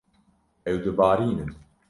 Ew dibarînin.